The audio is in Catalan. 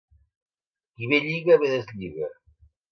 Qui bé lliga, bé deslliga.